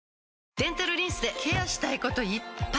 デンタルリンスでケアしたいこといっぱい！